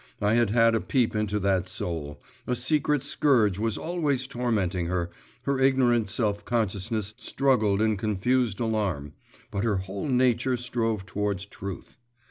I had had a peep into that soul; a secret scourge was always tormenting her, her ignorant self consciousness struggled in confused alarm, but her whole nature strove towards truth.